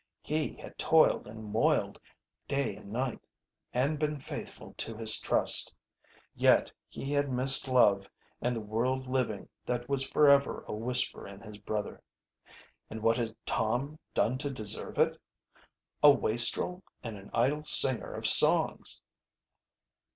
He had toiled and moiled, day and night, and been faithful to his trust. Yet he had missed love and the world living that was forever a whisper in his brother. And what had Tom done to deserve it? a wastrel and an idle singer of songs.